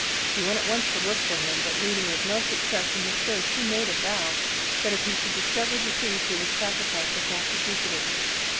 He went at once to look for him, but, meeting with no success in his search, he made a vow that, if he should discover the thief, he would sacrifice a calf to Jupiter.